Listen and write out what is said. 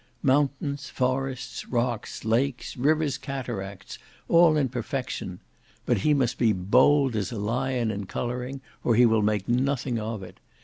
Mountains, forests, rocks, lakes, rivers, cataracts, all in perfection. But he must be bold as a lion in colouring, or he will make nothing of it.